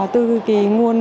từ cái nguồn